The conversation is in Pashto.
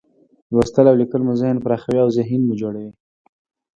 لوستل او لیکل مو ذهن پراخوي، اوذهین مو جوړوي.